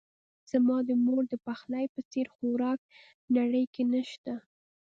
زما د مور دپخلی په څیر خوراک نړۍ کې نه شته